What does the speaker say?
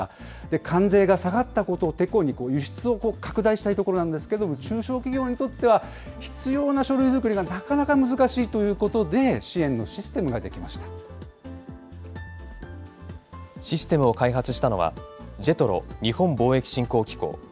関税が下がったことをてこに、輸出を拡大したいところなんですが、中小企業にとっては、必要な書類作りがなかなか難しいということシステムを開発したのは、ＪＥＴＲＯ・日本貿易振興機構。